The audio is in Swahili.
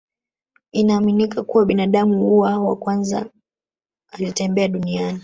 Inaaminika kuwa binadamu wa kwanza alitembea duniani